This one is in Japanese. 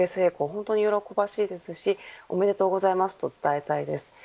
本当に喜ばしいですしおめでとうございますと伝えたいです。